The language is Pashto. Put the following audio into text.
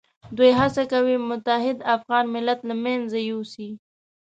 دوی هڅه کوي متحد افغان ملت له منځه یوسي.